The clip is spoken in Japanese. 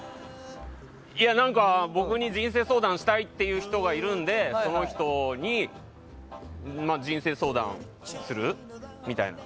僕に人生相談したいって人がいるのでその人に人生相談する？みたいな。